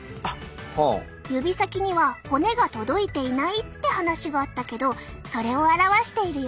指先には骨が届いていないって話があったけどそれを表しているよ。